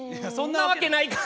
んなわけないか。